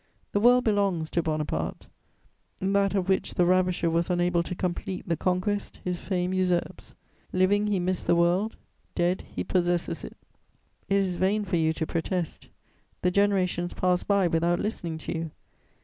The world belongs to Bonaparte: that of which the ravisher was unable to complete the conquest, his fame usurps; living he missed the world, dead he possesses it. It is vain for you to protest: the generations pass by without listening to you.